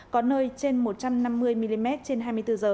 có nơi trên một trăm năm mươi mm trên hai mươi bốn h